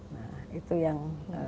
nah itu yang